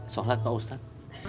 sholat pak ustadz